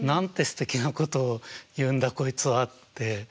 すてきなことを言うんだこいつはって。